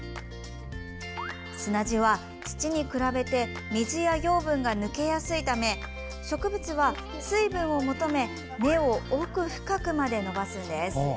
砂地は、土に比べて水や養分が抜けやすいため植物は、水分を求め根を奥深くまで伸ばすんです。